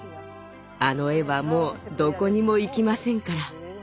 あの絵はもうどこにも行きませんから。